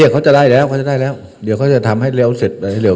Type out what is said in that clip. เขาจะได้แล้วเดี๋ยวเขาจะทำให้เร็วเซ็ตเนี่ย